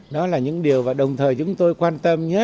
đó là những điều và đồng thời chúng tôi quan tâm nhất